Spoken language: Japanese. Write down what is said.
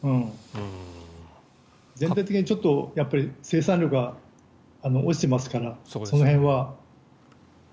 全体的に生産量が落ちてますからその辺は。